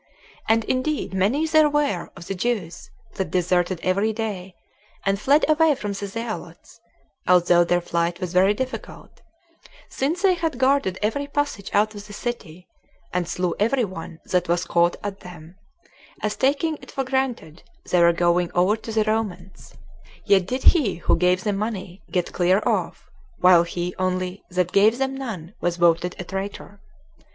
And indeed many there were of the Jews that deserted every day, and fled away from the zealots, although their flight was very difficult, since they had guarded every passage out of the city, and slew every one that was caught at them, as taking it for granted they were going over to the Romans; yet did he who gave them money get clear off, while he only that gave them none was voted a traitor.